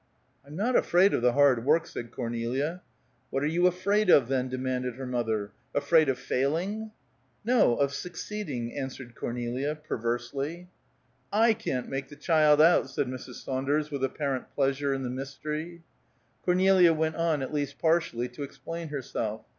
"I'm not afraid of the hard work," said Cornelia. "What are you afraid of, then?" demanded her mother. "Afraid of failing?" "No; of succeeding," answered Cornelia, perversely. "I can't make the child out," said Mrs. Saunders, with apparent pleasure in the mystery. Cornelia went on, at least partially, to explain herself.